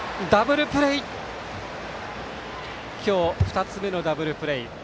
今日２つ目のダブルプレー。